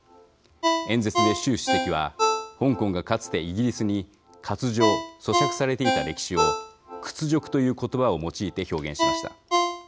演説で習主席は香港が、かつてイギリスに割譲・租借されていた歴史を屈辱ということばを用いて表現しました。